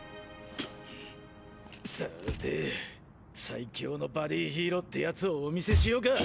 さぁて最強のバディヒーローってやつをお見せしようか！